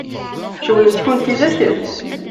Cewwlent-ken tidak?